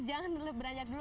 jangan lupa beranjak dulu